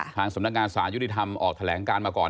ทางสำนักงานสารยุติธรรมออกแถลงการมาก่อน